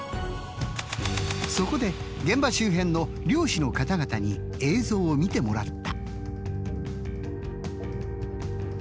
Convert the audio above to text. そこで現場周辺の漁師の方々に映像を見てもらった。